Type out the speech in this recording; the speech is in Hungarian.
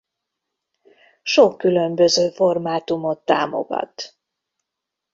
Sok különböző formátumot támogat.